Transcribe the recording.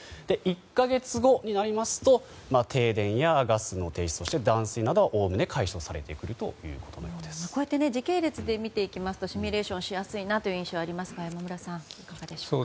１か月後になりますと停電やガスの停止、断水などはおおむね時系列でみるとシミュレーションしやすいという印象がありますが山村さん、いかがですか。